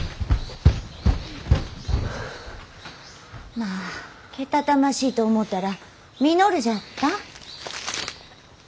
まあけたたましいと思うたら稔じゃったん。